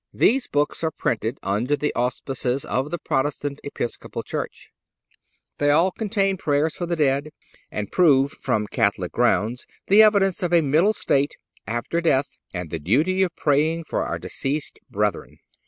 These books are printed under the auspices of the Protestant Episcopal church; they all contain prayers for the dead and prove, from Catholic grounds, the existence of a middle state after death and the duty of praying for our deceased brethren.